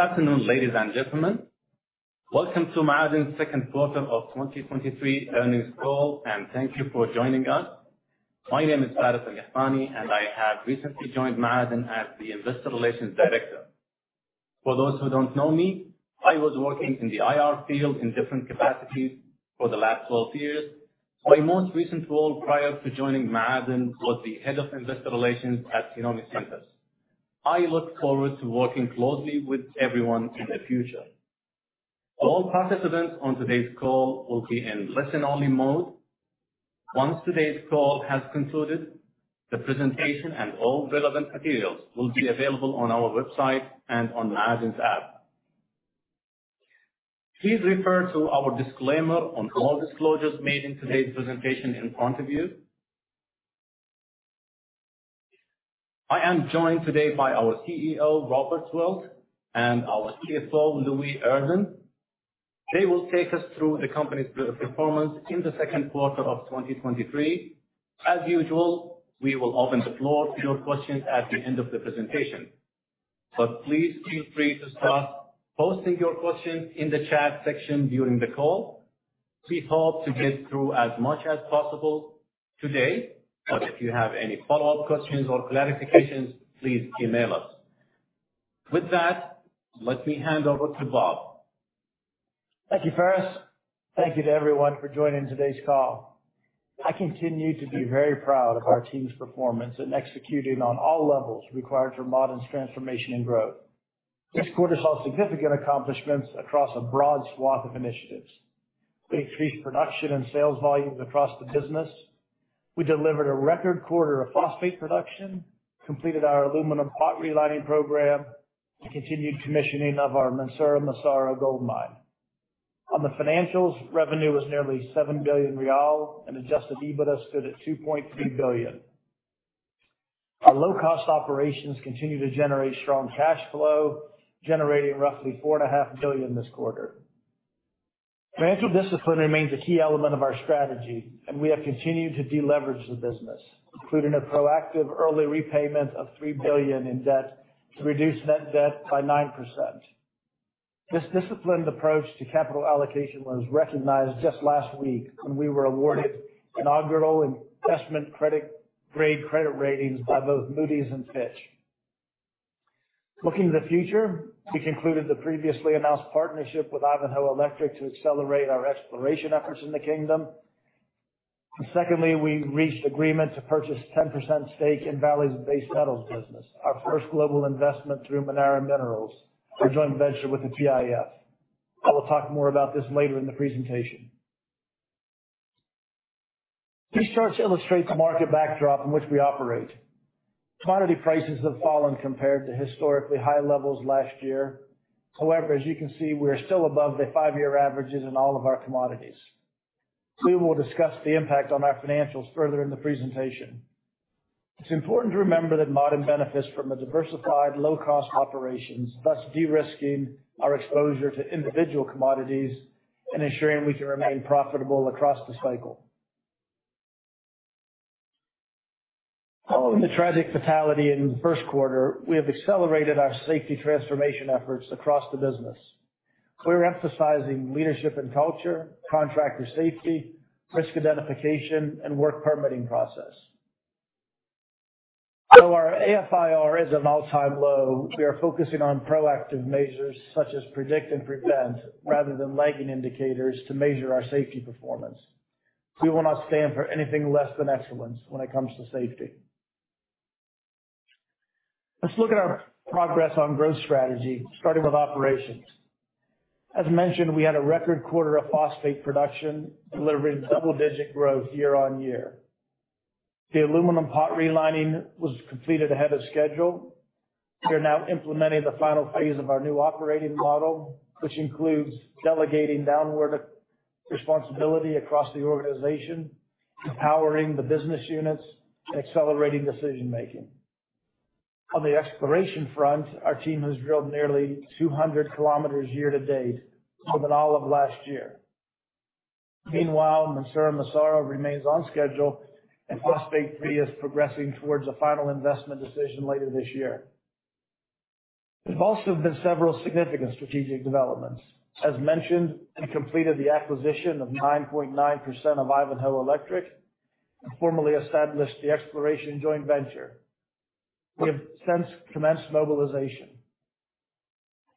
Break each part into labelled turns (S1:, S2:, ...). S1: Good afternoon, ladies and gentlemen. Welcome to Maaden's second quarter of 2023 earnings call, and thank you for joining us. My name is Faris Al Gahtani, and I have recently joined Maaden as the Investor Relations Director. For those who don't know me, I was working in the IR field in different capacities for the last 12 years. My most recent role prior to joining Maaden was the Head of Investor Relations at Arabian Centres. I look forward to working closely with everyone in the future. All participants on today's call will be in listen-only mode. Once today's call has concluded, the presentation and all relevant materials will be available on our website and on Ma'aden's app. Please refer to our disclaimer on all disclosures made in today's presentation in front of you. I am joined today by our CEO, Robert Wilt, and our CFO, Louis Irvine. They will take us through the company's performance in the second quarter of 2023. As usual, we will open the floor to your questions at the end of the presentation. Please feel free to start posting your questions in the chat section during the call. We hope to get through as much as possible today, but if you have any follow-up questions or clarifications, please email us. With that, let me hand over to Bob.
S2: Thank you, Faris. Thank you to everyone for joining today's call. I continue to be very proud of our team's performance in executing on all levels required for Ma'aden's transformation and growth. This quarter saw significant accomplishments across a broad swath of initiatives. We increased production and sales volumes across the business. We delivered a record quarter of phosphate production, completed our aluminum pot relining program, and continued commissioning of our Mansourah-Massarah gold mine. On the financials, revenue was nearly SAR 7 billion, and adjusted EBITDA stood at 2.3 billion. Our low-cost operations continue to generate strong cash flow, generating roughly 4.5 billion this quarter. Financial discipline remains a key element of our strategy, and we have continued to deleverage the business, including a proactive early repayment of 3 billion in debt to reduce net debt by 9%. This disciplined approach to capital allocation was recognized just last week when we were awarded inaugural investment grade credit ratings by both Moody's and Fitch. Looking to the future, we concluded the previously announced partnership with Ivanhoe Electric to accelerate our exploration efforts in the kingdom. Secondly, we reached agreement to purchase 10% stake in Vale Base Metals, our first global investment through Manara Minerals, our joint venture with the PIF. I will talk more about this later in the presentation. This chart illustrates the market backdrop in which we operate. Commodity prices have fallen compared to historically high levels last year. However, as you can see, we are still above the five-year averages in all of our commodities. We will discuss the impact on our financials further in the presentation. It's important to remember that Maaden benefits from a diversified low-cost operations, thus de-risking our exposure to individual commodities and ensuring we can remain profitable across the cycle. Following the tragic fatality in the first quarter, we have accelerated our safety transformation efforts across the business. We're emphasizing leadership and culture, contractor safety, risk identification, and work permitting process. Our AIFR is an all-time low. We are focusing on proactive measures such as predict and prevent, rather than lagging indicators to measure our safety performance. We will not stand for anything less than excellence when it comes to safety. Let's look at our progress on growth strategy, starting with operations. As mentioned, we had a record quarter of phosphate production, delivering double-digit growth year-over-year. The aluminum pot relining was completed ahead of schedule. We are now implementing the final phase of our new operating model, which includes delegating downward responsibility across the organization, empowering the business units, and accelerating decision-making. On the exploration front, our team has drilled nearly 200 km year to date, more than all of last year. Meanwhile, Mansourah-Massarah remains on schedule, and Phosphate 3 is progressing towards a final investment decision later this year. There's also been several significant strategic developments. As mentioned, we completed the acquisition of 9.9% of Ivanhoe Electric and formally established the exploration joint venture. We have since commenced mobilization.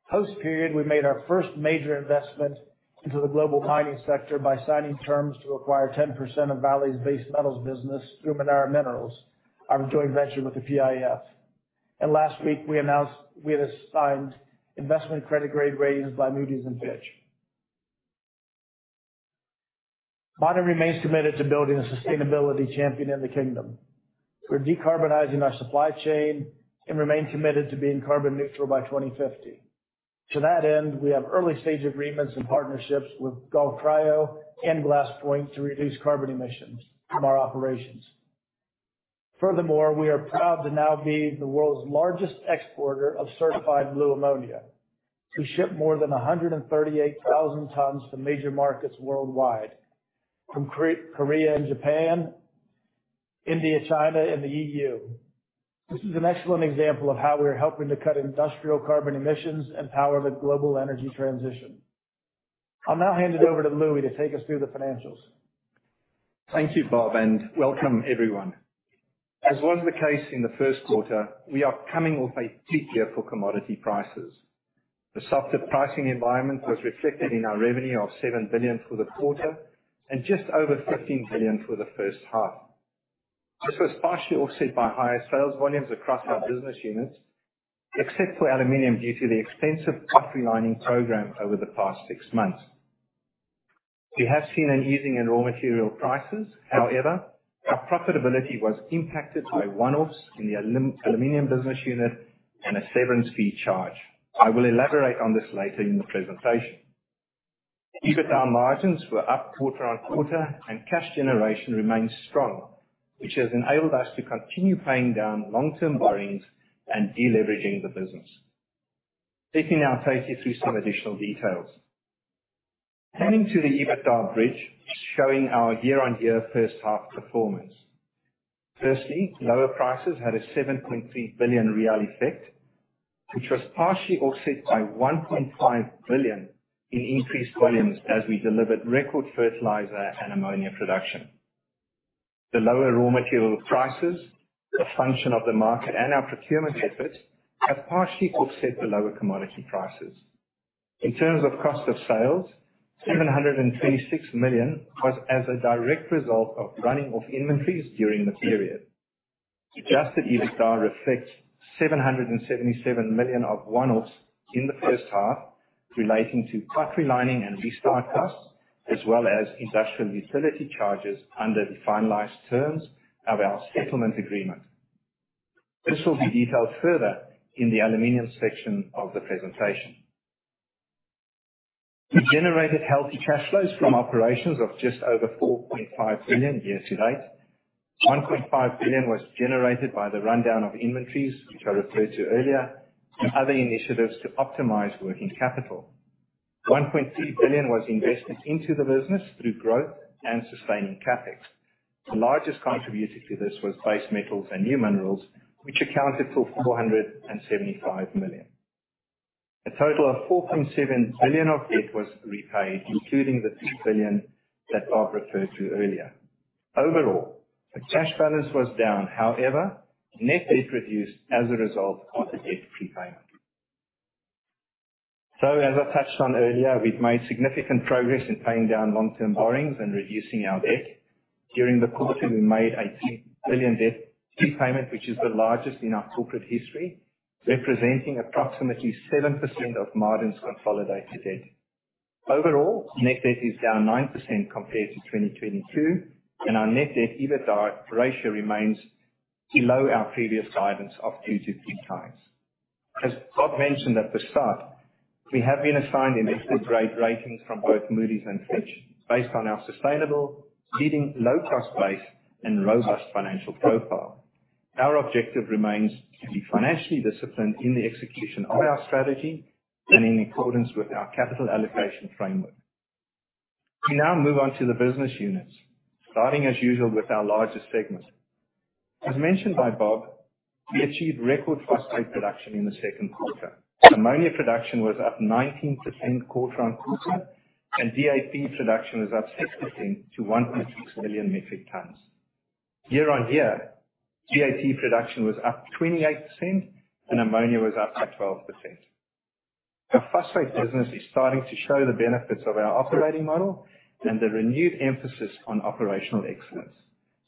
S2: Post-period, we made our first major investment into the global mining sector by signing terms to acquire 10% of Vale Base Metals through Manara Minerals, our joint venture with the PIF. Last week we announced we have been assigned investment-grade credit ratings by Moody's and Fitch. Maaden remains committed to building a sustainability champion in the kingdom. We're decarbonizing our supply chain and remain committed to being carbon neutral by 2050. To that end, we have early-stage agreements and partnerships with Gulf Cryo and GlassPoint to reduce carbon emissions from our operations. Furthermore, we are proud to now be the world's largest exporter of certified blue ammonia. We ship more than 138,000 tons to major markets worldwide, from Korea, Japan, India, China, and the EU. This is an excellent example of how we are helping to cut industrial carbon emissions and power the global energy transition. I'll now hand it over to Louis to take us through the financials.
S3: Thank you, Bob, and welcome everyone. As was the case in the first quarter, we are coming off a peak year for commodity prices. The softer pricing environment was reflected in our revenue of 7 billion for the quarter and just over 15 billion for the first half. This was partially offset by higher sales volumes across our business units, except for aluminum, due to the expensive pot relining program over the past six months. We have seen an easing in raw material prices. However, our profitability was impacted by one-offs in the aluminum business unit and a severance fee charge. I will elaborate on this later in the presentation. EBITDA margins were up quarter-on-quarter, and cash generation remains strong, which has enabled us to continue paying down long-term borrowings and de-leveraging the business. Let me now take you through some additional details. Turning to the EBITDA bridge, showing our year-on-year first half performance. Firstly, lower prices had a 7.3 billion real effect, which was partially offset by 1.5 billion in increased volumes as we delivered record fertilizer and ammonia production. The lower raw material prices, the function of the market and our procurement efforts, have partially offset the lower commodity prices. In terms of cost of sales, 726 million was as a direct result of running off inventories during the period. Adjusted EBITDA reflects 777 million of one-offs in the first half relating to pot relining and restart costs, as well as industrial utility charges under the finalized terms of our settlement agreement. This will be detailed further in the aluminum section of the presentation. We generated healthy cash flows from operations of just over 4.5 billion year to date. 1.5 billion was generated by the rundown of inventories, which I referred to earlier, and other initiatives to optimize working capital. 1.3 billion was invested into the business through growth and sustaining CapEx. The largest contributor to this was base metals and new minerals, which accounted for 475 million. A total of 4.7 billion of debt was repaid, including the 3 billion that Bob referred to earlier. Overall, the cash balance was down, however, net debt reduced as a result of the debt prepayment. As I touched on earlier, we've made significant progress in paying down long-term borrowings and reducing our debt. During the quarter, we made a 6 billion debt prepayment, which is the largest in our corporate history, representing approximately 7% of Maaden's consolidated debt. Overall, net debt is down 9% compared to 2022, and our net debt EBITDA ratio remains below our previous guidance of 2x-3x. As Bob mentioned at the start, we have been assigned an investment grade rating from both Moody's and Fitch based on our sustainable, leading low-cost base and robust financial profile. Our objective remains to be financially disciplined in the execution of our strategy and in accordance with our capital allocation framework. We now move on to the business units. Starting as usual with our largest segment. As mentioned by Bob, we achieved record phosphate production in the second quarter. Ammonia production was up 19% quarter-on-quarter, and DAP production was up 6% to 1.6 million metric tons. Year-on-year, DAP production was up 28% and ammonia was up 12%. The phosphate business is starting to show the benefits of our operating model and the renewed emphasis on operational excellence.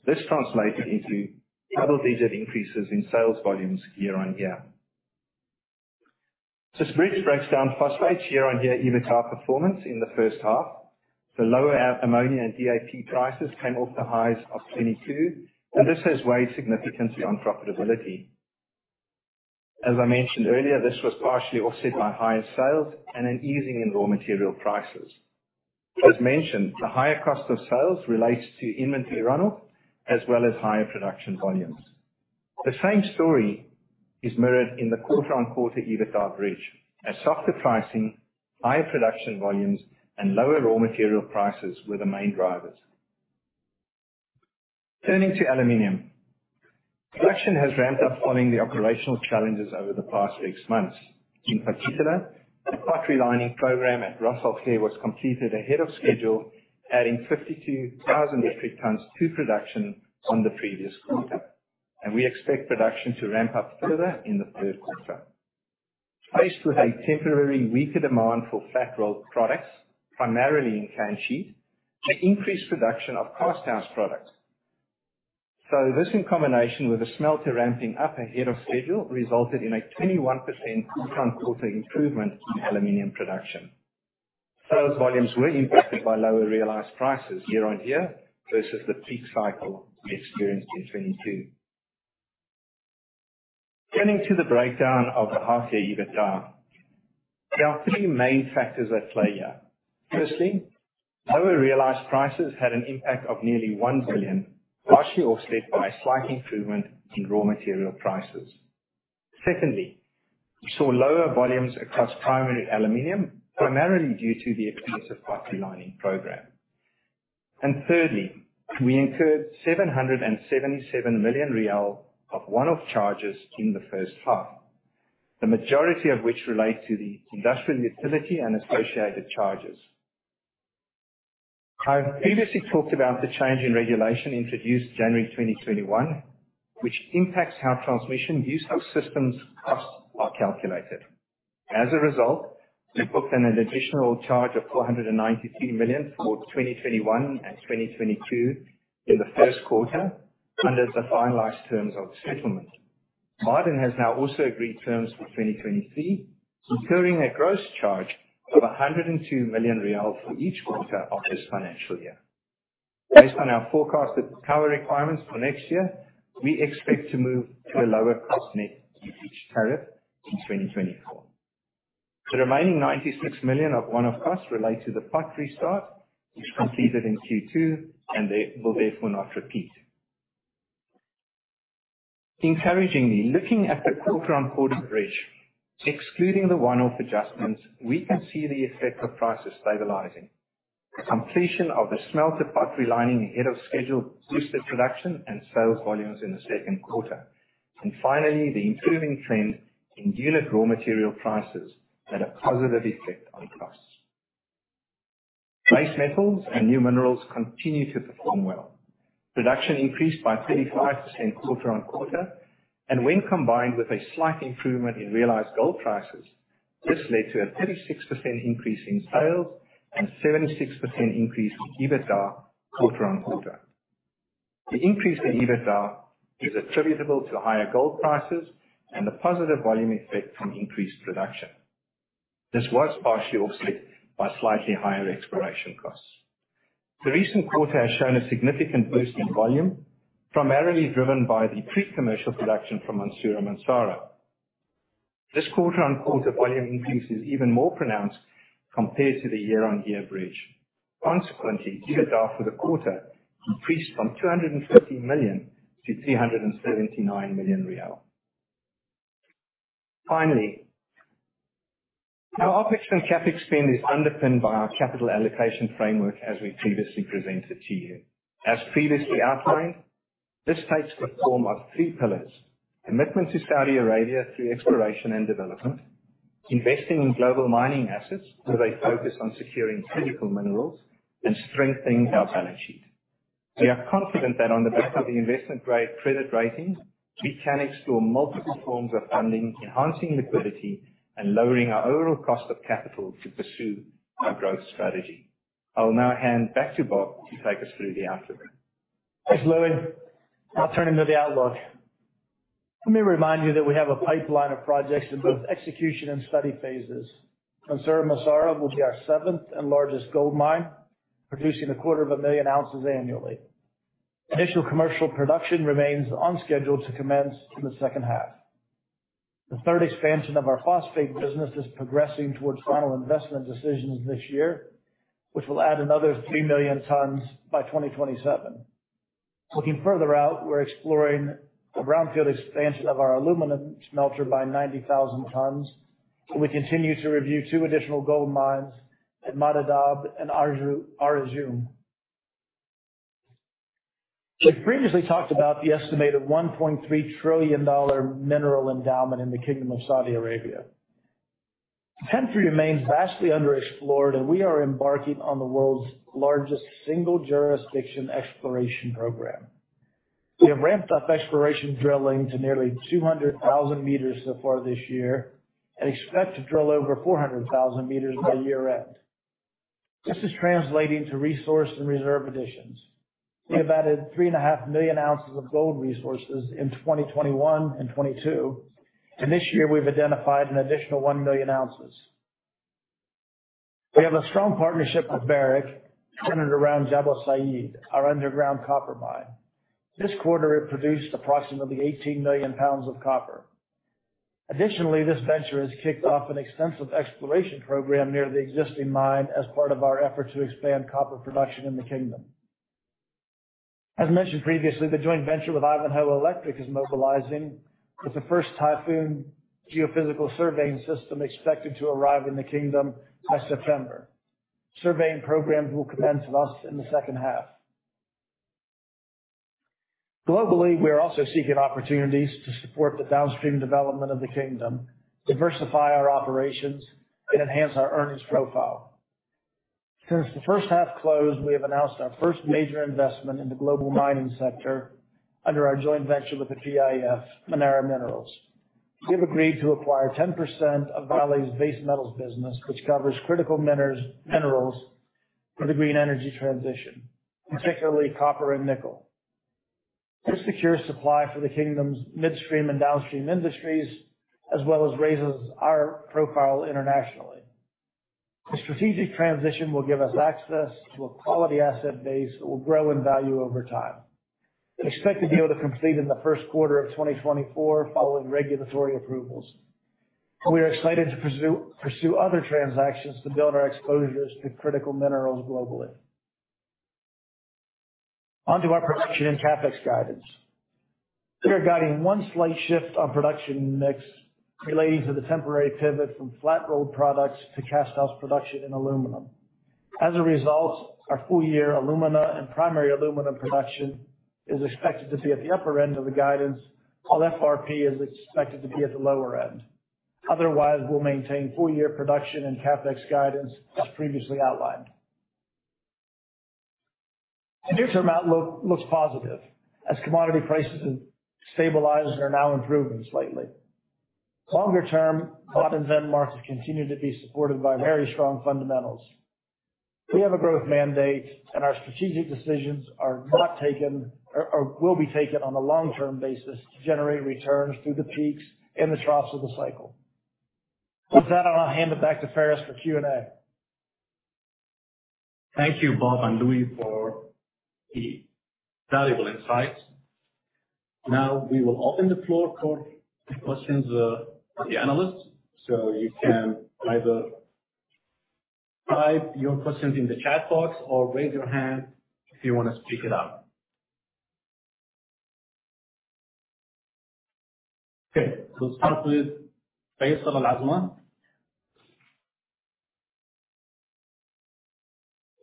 S3: This translated into double-digit increases in sales volumes year-on-year. This bridge breaks down phosphate year-on-year EBITDA performance in the first half. The lower ammonia and DAP prices came off the highs of 2022, and this has weighed significantly on profitability. As I mentioned earlier, this was partially offset by higher sales and an easing in raw material prices. As mentioned, the higher cost of sales relates to inventory runoff as well as higher production volumes. The same story is mirrored in the quarter-on-quarter EBITDA bridge. A softer pricing, higher production volumes, and lower raw material prices were the main drivers. Turning to aluminum. Production has ramped up following the operational challenges over the past six months. In particular, the pot relining program at Ras Al Khair was completed ahead of schedule, adding 52,000 metric tons to production on the previous quarter, and we expect production to ramp up further in the third quarter. Faced with a temporarily weaker demand for flat-rolled products, primarily in can sheet, they increased production of casthouse products. This, in combination with the smelter ramping up ahead of schedule, resulted in a 21% quarter-on-quarter improvement in aluminum production. Sales volumes were impacted by lower realized prices year-on-year versus the peak cycle we experienced in 2022. Turning to the breakdown of the half-year EBITDA. There are three main factors at play here. Firstly, lower realized prices had an impact of nearly 1 billion, partially offset by a slight improvement in raw material prices. Secondly, we saw lower volumes across primary aluminum, primarily due to the extensive pot relining program. Thirdly, we incurred 777 million riyal of one-off charges in the first half, the majority of which relate to the industrial utility and associated charges. I've previously talked about the change in regulation introduced January 2021, which impacts how transmission use of systems costs are calculated. As a result, we booked an additional charge of 493 million for 2021 and 2022 in the first quarter under the finalized terms of the settlement. Maaden has now also agreed terms for 2023, incurring a gross charge of 102 million riyal for each quarter of this financial year. Based on our forecasted power requirements for next year, we expect to move to a lower cross-net tariff in 2024. The remaining 96 million of one-off costs relate to the pot restart, which completed in Q2 and they will therefore not repeat. Encouragingly, looking at the quarter-on-quarter bridge, excluding the one-off adjustments, we can see the effect of prices stabilizing. Completion of the smelter pot relining ahead of schedule boosted production and sales volumes in the second quarter. Finally, the improving trend in inlet raw material prices had a positive effect on costs. Base metals and new minerals continue to perform well. Production increased by 35% quarter-on-quarter, and when combined with a slight improvement in realized gold prices, this led to a 36% increase in sales and 76% increase in EBITDA quarter-on-quarter. The increase in EBITDA is attributable to higher gold prices and the positive volume effect from increased production. This was partially offset by slightly higher exploration costs. The recent quarter has shown a significant boost in volume, primarily driven by the pre-commercial production from Mansourah-Massarah. This quarter-on-quarter volume increase is even more pronounced compared to the year-on-year bridge. Consequently, EBITDA for the quarter increased from 250 million to SAR 379 million. Finally, our OpEx and CapEx spend is underpinned by our capital allocation framework as we previously presented to you. As previously outlined, this takes the form of three pillars, commitment to Saudi Arabia through exploration and development, investing in global mining assets with a focus on securing critical minerals, and strengthening our balance sheet. We are confident that on the back of the investment-grade credit rating, we can explore multiple forms of funding, enhancing liquidity, and lowering our overall cost of capital to pursue our growth strategy. I will now hand back to Bob to take us through the outlook.
S2: Thanks, Louis. Now turning to the outlook. Let me remind you that we have a pipeline of projects in both execution and study phases. Mansourah-Massarah will be our seventh and largest gold mine, producing 250,000 ounces annually. Initial commercial production remains on schedule to commence in the second half. The third expansion of our phosphate business is progressing towards final investment decisions this year, which will add another 3 million tons by 2027. Looking further out, we're exploring the brownfield expansion of our aluminum smelter by 90,000 tons, and we continue to review two additional gold mines at Mahd Ad Dhahab and Ar Rjum. We previously talked about the estimated $1.3 trillion mineral endowment in the Kingdom of Saudi Arabia. The country remains vastly underexplored, and we are embarking on the world's largest single jurisdiction exploration program. We have ramped up exploration drilling to nearly 200,000 meters so far this year and expect to drill over 400,000 meters by year-end. This is translating to resource and reserve additions. We have added 3.5 million ounces of gold resources in 2021 and 2022, and this year we've identified an additional 1 million ounces. We have a strong partnership with Barrick centered around Jabal Sayid, our underground copper mine. This quarter, it produced approximately 18 million pounds of copper. Additionally, this venture has kicked off an extensive exploration program near the existing mine as part of our effort to expand copper production in the kingdom. As mentioned previously, the joint venture with Ivanhoe Electric is mobilizing, with the first Typhoon geophysical surveying system expected to arrive in the kingdom by September. Surveying programs will commence with us in the second half. Globally, we are also seeking opportunities to support the downstream development of the Kingdom, diversify our operations, and enhance our earnings profile. Since the first half closed, we have announced our first major investment in the global mining sector under our joint venture with the PIF, Manara Minerals. We have agreed to acquire 10% of Vale Base Metals, which covers critical minerals for the green energy transition, particularly copper and nickel. This secures supply for the Kingdom's midstream and downstream industries, as well as raises our profile internationally. The strategic transition will give us access to a quality asset base that will grow in value over time. We expect the deal to complete in the first quarter of 2024 following regulatory approvals. We are excited to pursue other transactions to build our exposures to critical minerals globally. On to our production and CapEx guidance. We are guiding one slight shift on production mix relating to the temporary pivot from flat rolled products to cast house production in aluminum. As a result, our full year alumina and primary aluminum production is expected to be at the upper end of the guidance, while FRP is expected to be at the lower end. Otherwise, we'll maintain full year production and CapEx guidance as previously outlined. The near-term outlook looks positive as commodity prices have stabilized and are now improving slightly. Longer term, copper and markets continue to be supported by very strong fundamentals. We have a growth mandate, and our strategic decisions are not taken or will be taken on a long-term basis to generate returns through the peaks and the troughs of the cycle. With that, I'll hand it back to Faris for Q&A.
S1: Thank you, Bob and Louis, for the valuable insights. Now we will open the floor for questions from the analysts. You can either type your questions in the chat box or raise your hand if you wanna speak it out. Okay, we'll start with Faisal AlAzmeh.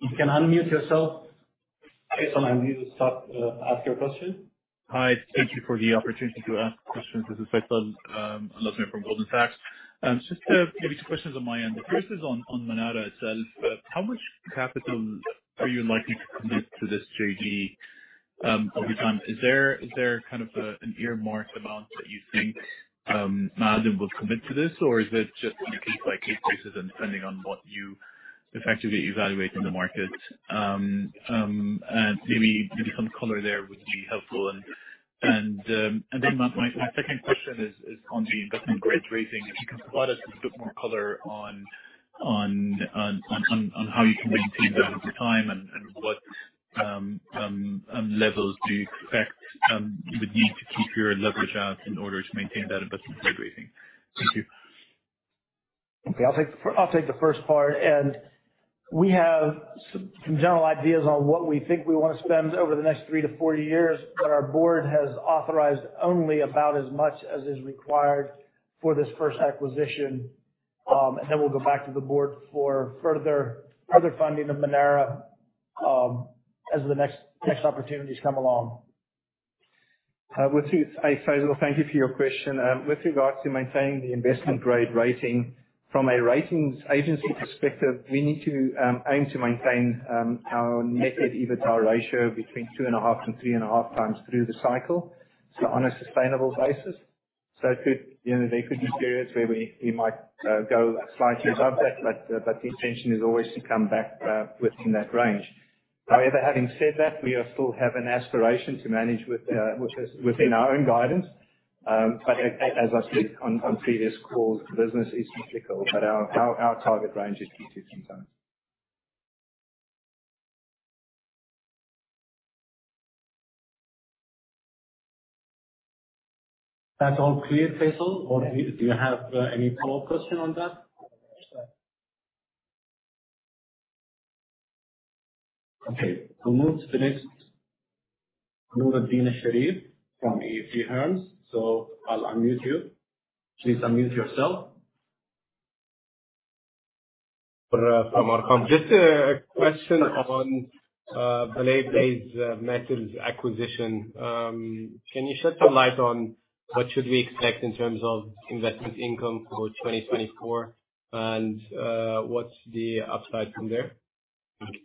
S1: You can unmute yourself, Faisal, and you can start to ask your question.
S4: Hi. Thank you for the opportunity to ask questions. This is Faisal AlAzmeh from Goldman Sachs. Just maybe two questions on my end. The first is on Manara asset. How much capital are you likely to commit to this JV over time? Is there kind of an earmarked amount that you think Maaden will commit to this? Or is it just on a case-by-case basis and depending on what you effectively evaluate in the market, and maybe some color there would be helpful. Then my second question is on the investment grade rating. If you can provide us with a bit more color on how you can maintain that over time and what levels do you expect you would need to keep your leverage out in order to maintain that investment grade rating. Thank you.
S2: Okay. I'll take the first part. We have some general ideas on what we think we wanna spend over the next three to four years, but our board has authorized only about as much as is required for this first acquisition. Then we'll go back to the board for further funding of Manara as the next opportunities come along.
S3: I'm with you. Faisal, thank you for your question. With regards to maintaining the investment-grade rating, from a ratings agency perspective, we need to aim to maintain our net debt EBITDA ratio between 2.5x and 3.5x through the cycle, so on a sustainable basis. It could, you know, there could be periods where we might go slightly above that, but the intention is always to come back within that range. However, having said that, we are still have an aspiration to manage with this within our own guidance. As I said on previous calls, business is cyclical, but our target range is 2x-3x.
S1: That's all clear, Faisal? Or do you have any follow-up question on that?
S4: No, sir.
S1: Okay. We'll move to the next. Nour El-Din Suleiman from EFG Hermes. I'll unmute you. Please unmute yourself.
S5: Just a question on the Vale Base Metals acquisition. Can you shed some light on what should we expect in terms of investment income for 2024? What's the upside from there? Thank you.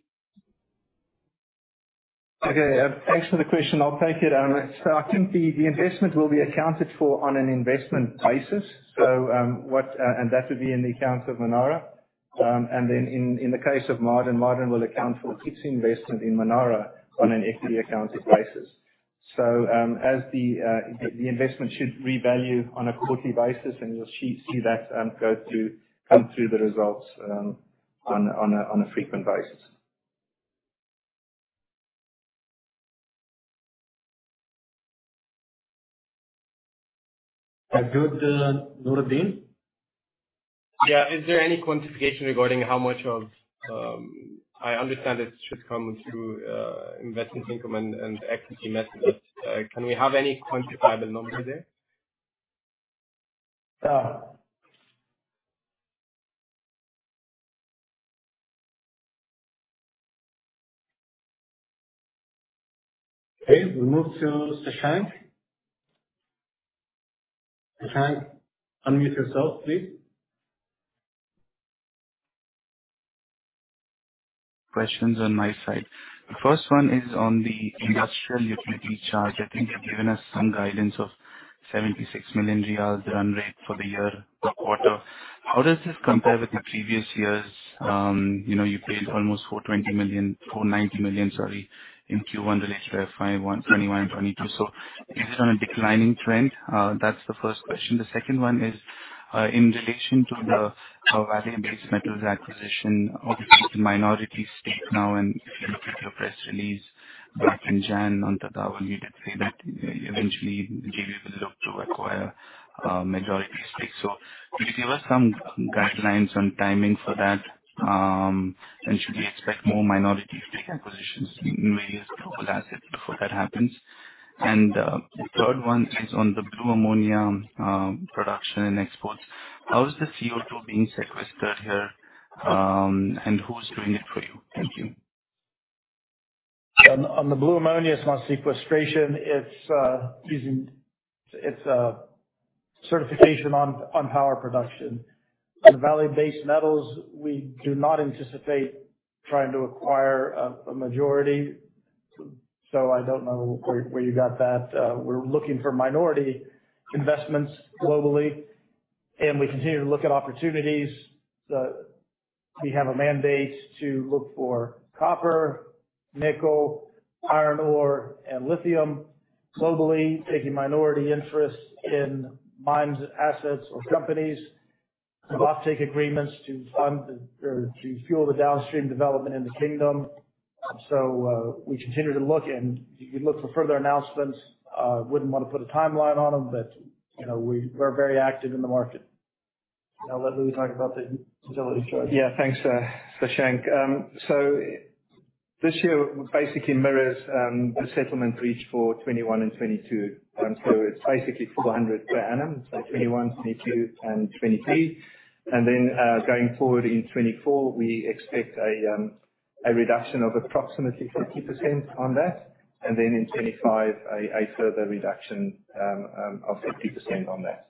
S3: Okay. Thanks for the question. I'll take it. I think the investment will be accounted for on an investment basis. That would be in the accounts of Manara. In the case of Maaden will account for its investment in Manara on an equity accounted basis. As the investment should revalue on a quarterly basis, and you'll see that go through, come through the results, on a frequent basis.
S1: Good, Nour El-Din?
S5: Yeah. Is there any quantification regarding how much of, I understand it should come through investment income and equity methods. Can we have any quantifiable number there?
S3: No.
S1: Okay. We move to Shashank. Shashank, unmute yourself, please.
S6: Few questions on my side. The first one is on the industrial utility charge. I think you've given us some guidance of 76 million riyal run rate for the year to quarter. How does this compare with the previous years? You know, you paid almost 420 million, 490 million, sorry, in Q1 related to 2021, 2022. So is it on a declining trend? That's the first question. The second one is in relation to the Vale Base Metals acquisition, obviously it's a minority stake now, and if you look at your press release back in January when you did say that eventually you will have the option to acquire a majority stake. So could you give us some guidelines on timing for that? Should we expect more minority stake acquisitions in various global assets before that happens? The third one is on the blue ammonia production and exports. How is the CO2 being sequestered here, and who's doing it for you? Thank you.
S2: On the blue ammonia, it's not sequestration. It's a certification on power production. On Vale Base Metals, we do not anticipate trying to acquire a majority, so I don't know where you got that. We're looking for minority investments globally, and we continue to look at opportunities. We have a mandate to look for copper, nickel, iron ore and lithium globally, taking minority interest in mines, assets or companies, have offtake agreements to fuel the downstream development in the kingdom. We continue to look and you can look for further announcements. Wouldn't wanna put a timeline on them, but, you know, we're very active in the market. I'll let Louis talk about the utility charge.
S3: Yeah. Thanks, Shashank. This year basically mirrors the settlement reached for 2021 and 2022. It's basically 400 per annum. 2021, 2022 and 2023. Going forward in 2024, we expect a reduction of approximately 50% on that. In 2025 a further reduction of 50% on that.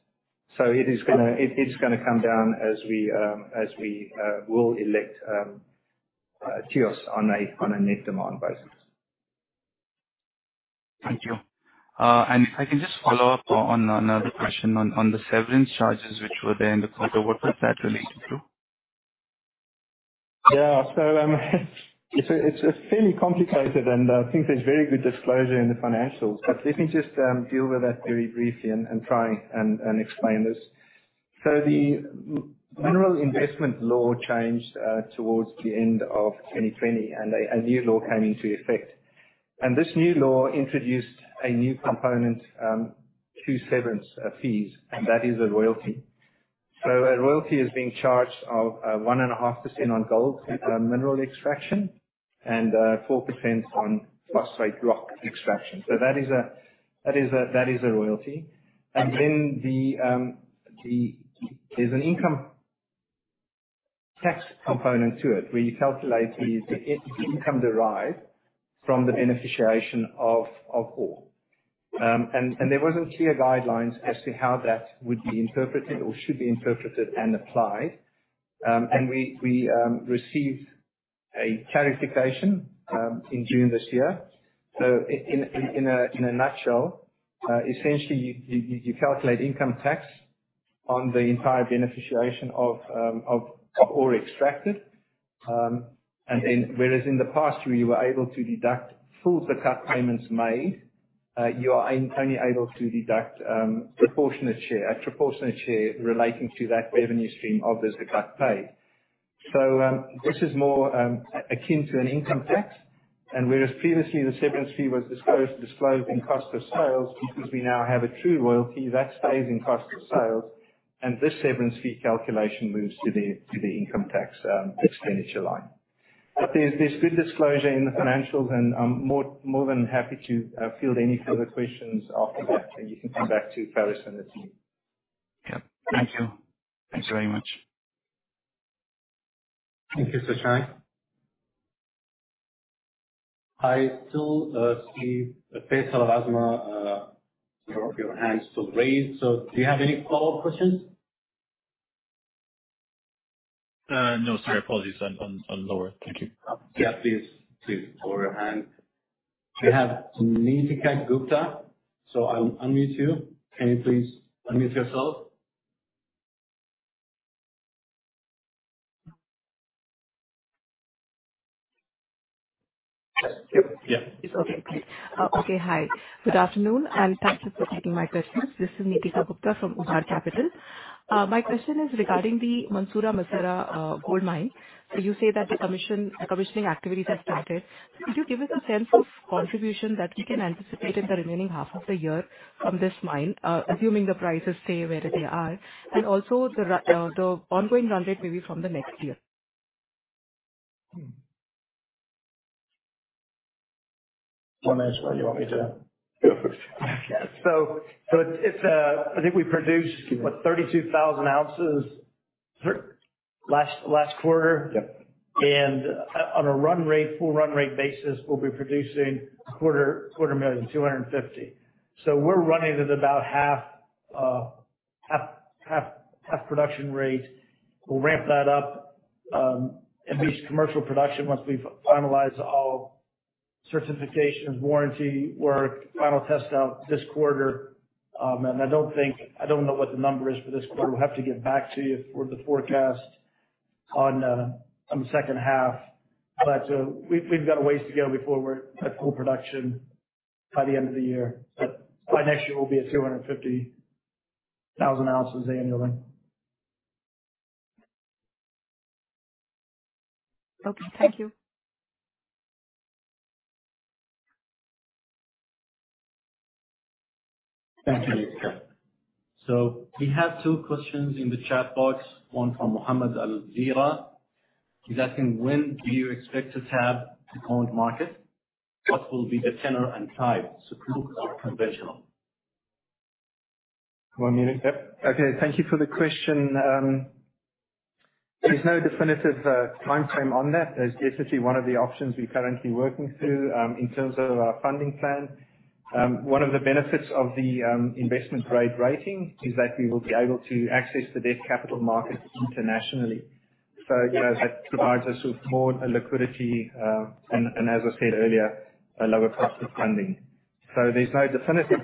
S3: It is gonna come down as we expect cost on a net demand basis.
S6: Thank you. If I can just follow up on another question on the severance charges which were there in the quarter, what was that related to?
S3: It's fairly complicated and I think there's very good disclosure in the financials. Let me just deal with that very briefly and try and explain this. The Mining Investment Law changed towards the end of 2020, and a new law came into effect. This new law introduced a new component to severance fees, and that is a royalty. A royalty is being charged of 1.5% on gold mineral extraction and 4% on phosphate rock extraction. That is a royalty. Then there's an income tax component to it, where you calculate the income derived from the beneficiation of ore. There weren't clear guidelines as to how that would be interpreted or should be interpreted and applied. We received a clarification in June this year. In a nutshell, essentially you calculate income tax on the entire beneficiation of ore extracted. Whereas in the past you were able to deduct full Zakat payments made, you are only able to deduct a proportionate share relating to that revenue stream of the Zakat paid. This is more akin to an income tax. Whereas previously the severance fee was disclosed in cost of sales, because we now have a true royalty, that stays in cost of sales, and this severance fee calculation moves to the income tax expenditure line. There's good disclosure in the financials, and I'm more than happy to field any further questions after that, and you can come back to Faris and the team.
S6: Yeah. Thank you. Thanks very much.
S1: Thank you, Shashank. I still see Faisal AlAzmeh, your hands still raised. So do you have any follow-up questions?
S4: No, sorry. Apologies. I'm lowering. Thank you.
S1: Yeah, please. Please lower your hand. We have Neetika Gupta. So I'll unmute you. Can you please unmute yourself?
S7: Yeah.
S1: Yeah.
S7: Hi. Good afternoon, and thank you for taking my questions. This is Neetika Gupta from Ubhar Capital. My question is regarding the Mansourah-Massarah gold mine. You say that the commissioning activities have started. Could you give us a sense of contribution that we can anticipate in the remaining half of the year from this mine, assuming the prices stay where they are? The ongoing run rate maybe from the next year.
S2: One moment.
S3: Go for it.
S2: I think we produced about 32,000 ounces last quarter.
S3: Yep.
S2: On a run rate, full run rate basis, we'll be producing 250,000 ounces. We're running at about half production rate. We'll ramp that up and reach commercial production once we've finalized all certifications, warranty work, final test out this quarter. I don't think. I don't know what the number is for this quarter. We'll have to get back to you for the forecast on the second half. We've got a ways to go before we're at full production by the end of the year. By next year we'll be at 250,000 ounces annually.
S7: Okay. Thank you.
S1: Thank you, Neetika. We have two questions in the chat box. One from Mohammed Al-Theera. He's asking, "When do you expect to tap the bond market? What will be the tenor and type, sukuk or conventional?
S3: One minute. Yep. Okay, thank you for the question. There's no definitive timeframe on that. That's definitely one of the options we're currently working through in terms of our funding plan. One of the benefits of the investment-grade rating is that we will be able to access the debt capital markets internationally. You know, that provides us with more liquidity and as I said earlier, a lower cost of funding. There's no definitive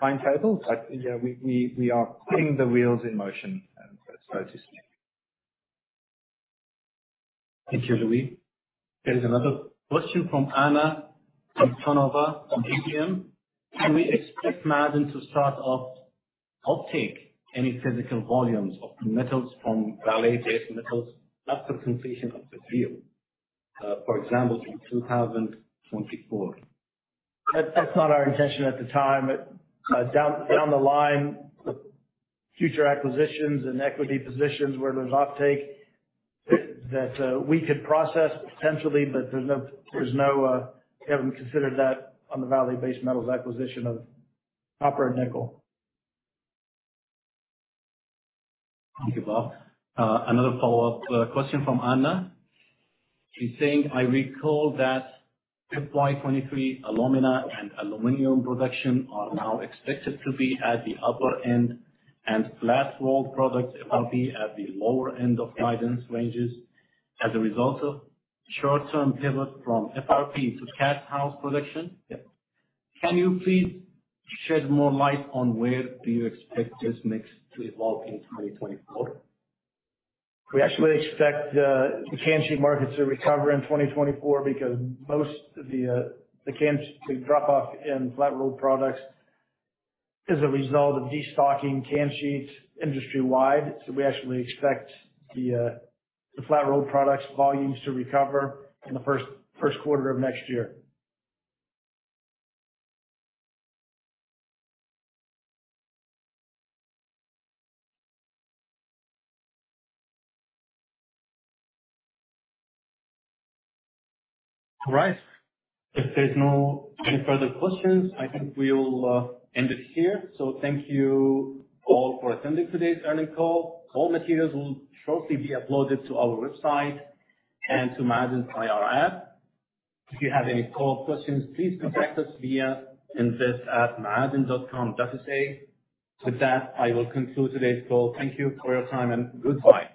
S3: timetable. Yeah, we are putting the wheels in motion so to speak.
S1: Thank you, Louis. There is another question from Anna Antonova from JPMorgan: Can we expect Maaden to start offtake any physical volumes of metals from Vale Base Metals after completion of the deal, for example, in 2024?
S2: That's not our intention at the time. Down the line, the future acquisitions and equity positions where there's offtake that we could process potentially, but there's no, we haven't considered that on the Vale Base Metals acquisition of copper and nickel.
S1: Thank you, Bob. Another follow-up question from Anna. She's saying, "I recall that FY 2023 alumina and aluminum production are now expected to be at the upper end, and flat rolled products FRP at the lower end of guidance ranges as a result of short-term pivot from FRP into casthouse production.
S2: Yep.
S1: Can you please shed more light on where do you expect this mix to evolve in 2024?
S2: We actually expect the can sheet markets to recover in 2024 because most of the drop-off in flat roll products is a result of destocking can sheets industry-wide. We actually expect the flat roll products volumes to recover in the first quarter of next year.
S1: All right. If there's no, any, further questions, I think we will end it here. Thank you all for attending today's earnings call. All materials will shortly be uploaded to our website and to Maaden IR app. If you have any call questions, please contact us via invest@maaden.com.sa. With that, I will conclude today's call. Thank you for your time and goodbye.